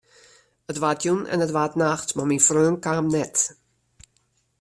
It waard jûn en it waard nacht, mar myn freon kaam net.